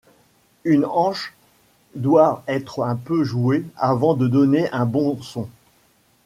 Une anche doit être un peu jouée avant de donner un bon son.